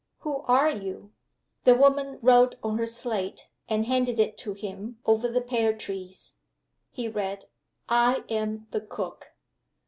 "Who are you?" The woman wrote on her slate, and handed it to him over the pear trees. He read: "I am the cook."